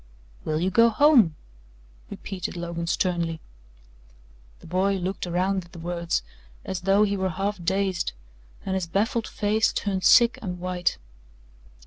"Will you go home?" repeated Logan sternly. The boy looked around at the words, as though he were half dazed, and his baffled face turned sick and white.